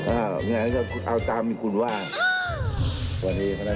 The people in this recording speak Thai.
อ้าวอย่างนั้นก็เอาตามอย่างคุณว่า